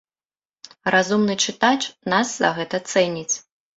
Разумны чытач нас за гэта цэніць.